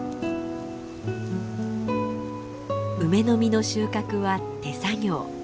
梅の実の収穫は手作業。